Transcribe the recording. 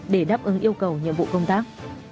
để đáp ứng yêu cầu nhiệm vụ công tác